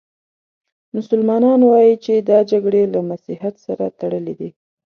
مسلمانان وايي چې دا جګړې له مسیحیت سره تړلې دي.